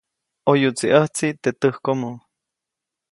ʼOyuʼtsi ʼäjtsi teʼ täjkomo.